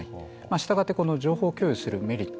したがって情報共有するメリット